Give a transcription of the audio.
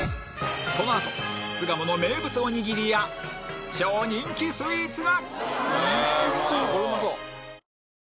このあと巣鴨の名物おにぎりや超人気スイーツが！